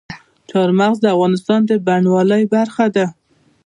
چار مغز د افغانستان د بڼوالۍ برخه ده.